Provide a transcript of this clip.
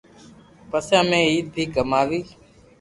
پسي امي عيد پي ڪماوي